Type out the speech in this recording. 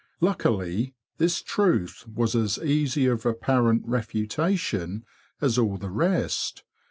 Luckily, this truth was as easy of apparent refutation as all the rest.